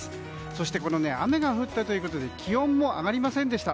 そして、雨が降ったということで気温も上がりませんでした。